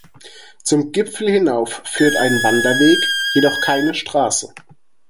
Zum Gipfel hinauf führt ein Wanderweg, jedoch keine Straße.